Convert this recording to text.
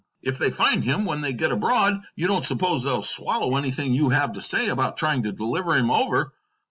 If they find him when they get abroad, you don't suppose they'll swallow anything you have to say about trying to deliver him over.